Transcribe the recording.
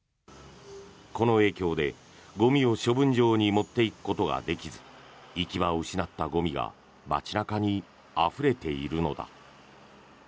この影響で、ゴミを処分場に持っていくことができず行き場を失ったゴミが街中にあふれているのだ。